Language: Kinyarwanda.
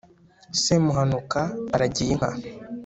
semuhanuka aragiye inka